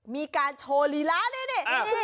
มีการโชว์ลีลานี่